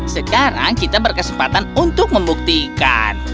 sekarang kita berkesempatan untuk membuktikan